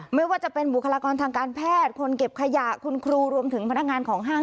ไม่ว่าจะเป็นบุคลากรทางการแพทย์คนเก็บขยะคุณครูรวมถึงพนักงานของห้าง